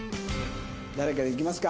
誰からいきますか？